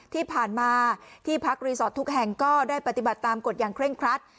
ที่ผ่านมาที่พักรีสอร์ททุกแห่งก็ได้ปฏิบัติตามกฎอย่างเคร่งครัด